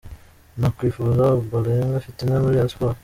Nakwifuza Ombolenga Fitina muri Rayon Sports’.